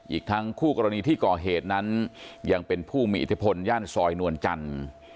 อีกทั้งคู่กรณีที่ก่อเหตุนั้นยังเป็นผู้มีอิทธิพลย่านซอยนวลจันทร์